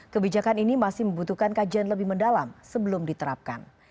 kebijakan ini masih membutuhkan kajian lebih mendalam sebelum diterapkan